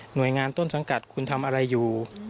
โดยงานต้นสังกัดคุณทำอะไรอยู่